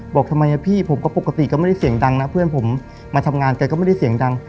บอกทำไมพี่ผมก็ปกติก็ไม่ได้เสียงดังนะเพื่อนผมมาทำงานแกก็ไม่ได้เสียงดัง